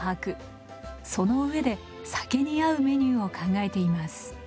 そのうえで酒に合うメニューを考えています。